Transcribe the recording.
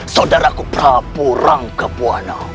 saudaraku prabu rangkapuana